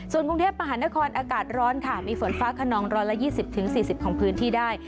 ส่วนกรุงเทพมหานครอากาศร้อนค่ะมีฝนฟ้าขนอง๑๒๐๔๐ของพื้นที่ได้